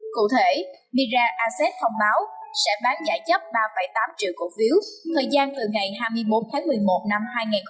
cụ thể mira asset thông báo sẽ bán giải chấp ba tám triệu cổ phiếu thời gian từ ngày hai mươi bốn tháng một mươi một năm hai nghìn hai mươi hai